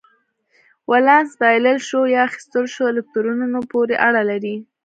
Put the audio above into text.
ولانس بایلل شوو یا اخیستل شوو الکترونونو پورې اړه لري.